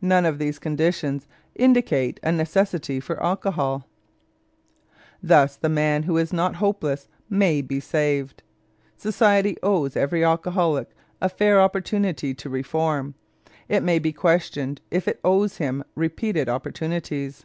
None of these conditions indicates a necessity for alcohol. Thus the man who is not hopeless may be saved. Society owes every alcoholic a fair opportunity to reform; it may be questioned if it owes him repeated opportunities.